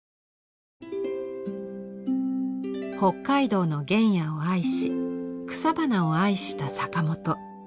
北海道の原野を愛し草花を愛した坂本。